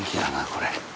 これ。